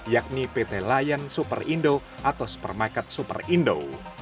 yakni pt lion super indo atau supermarket super indo